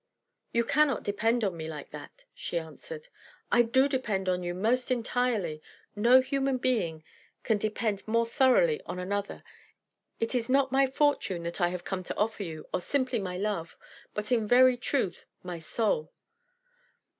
"You cannot depend on me like that," she answered. "I do depend on you most entirely. No human being can depend more thoroughly on another. It is not my fortune that I have come to offer you, or simply my love, but in very truth my soul."